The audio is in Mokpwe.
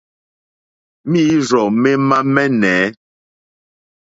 Mǐrzɔ̀ mémá mɛ́nɛ̌.